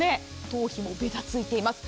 頭皮もべたついています。